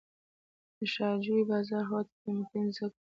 د شاه جوی بازار خواته قیمتي ځمکه وه.